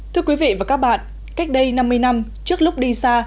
thưa quý vị và các bạn cách đây năm mươi năm trước lúc đi xa